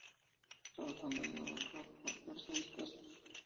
Trabajo llevado a cabo por Hershey y Chase.